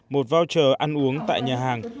một voucher ăn uống tại nhà hàng